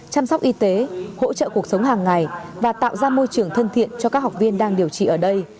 chăm sóc y tế hỗ trợ cuộc sống hàng ngày và tạo ra môi trường thân thiện cho các học viên đang điều trị ở đây